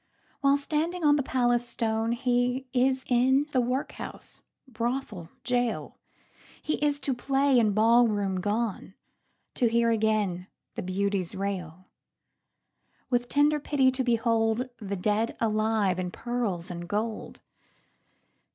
While standing on the palace stone, He is in workhouse, brothel, jail; He is to play and ballroom gone, To hear again the beauties rail; With tender pity to beholdThe dead alive in pearls and gold.